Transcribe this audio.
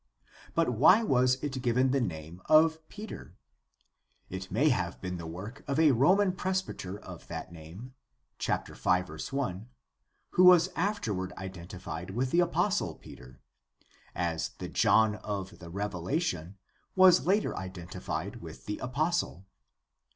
But why was it given the name of Peter ? It may have been the work of a Roman presbyter of that name (5:1) who was afterward identified with the apostle Peter, as the John of the Revelation was later identified with the apostle.